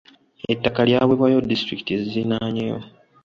Ettaka lyaweebwayo disitulikiti eziriranyeewo.